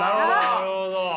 なるほど！